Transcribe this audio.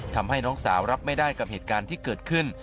ทำให้น้องสาวรับไม่ได้กับเหตุการณ์ที่เกิดขึ้น